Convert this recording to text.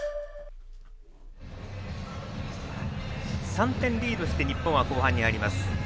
３点リードして日本は後半に入ります。